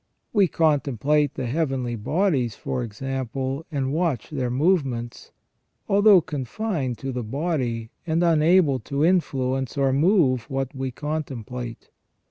We contemplate the heavenly bodies, for example, and watch their movements, although con fined to the body, and unable to influence or move what we contemplate.